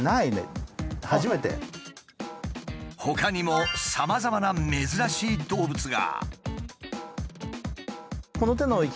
ほかにもさまざまな珍しい動物が。